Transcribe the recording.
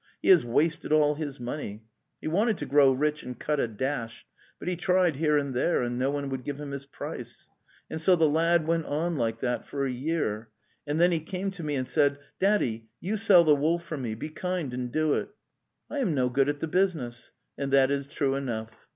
He has wasted all his money; he wanted to grow rich and cut a dash, but he tried here and there, and no one would give him his price. And so the lad went on like that for a year, and then he came to me and said, ° Daddy, you sell the wool for me; be kind and do it! I am no good at the business!' And that is true enough.